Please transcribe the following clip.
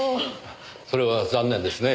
それは残念ですね。